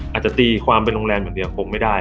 อาจจะตีความเป็นโรงแรมอย่างเดียวคงไม่ได้